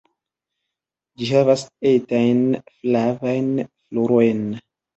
Ĝi havas etajn flavajn florojn.